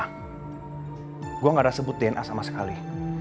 gue enggak ada sebut dna sama sekali